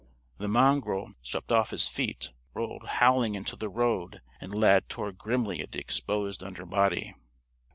The mongrel, swept off his feet, rolled howling into the road; and Lad tore grimly at the exposed under body.